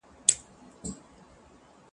زه به اوږده موده کتابتون پاک کړی وم.